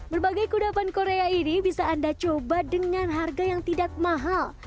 berbagai kudapan korea ini bisa anda coba dengan harga yang tidak mahal